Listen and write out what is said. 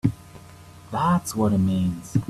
That's what it means!